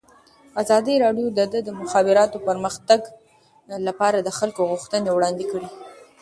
ازادي راډیو د د مخابراتو پرمختګ لپاره د خلکو غوښتنې وړاندې کړي.